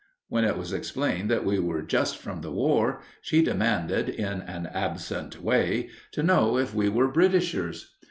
When it was explained that we were just from the war, she demanded, in an absent way, to know if we were Britishers.